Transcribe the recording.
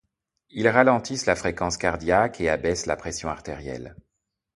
Ils ralentissent la fréquence cardiaque et abaissent la pression artérielle.